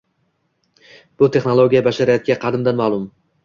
Bu texnologiya bashariyatga qadimdan ma`lum